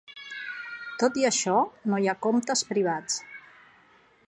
Tot i això, no hi ha comptes privats.